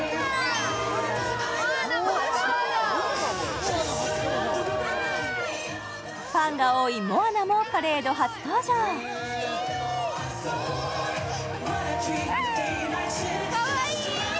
モアナも初登場ファンが多いモアナもパレード初登場・かわいい！